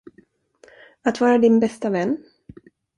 Att vara din bästa vän?